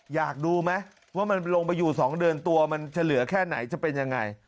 อยากดูไหมว่ามันลงไปอยู่๒เดือนตัวมันจะเหลือแค่ไหนจะเป็นยังไง